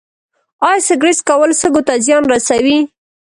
ایا سګرټ څکول سږو ته زیان رسوي